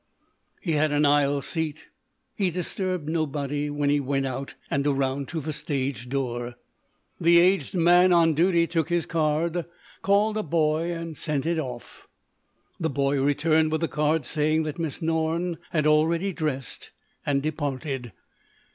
He had an aisle seat; he disturbed nobody when he went out and around to the stage door. The aged man on duty took his card, called a boy and sent it off. The boy returned with the card, saying that Miss Norne had already dressed and departed.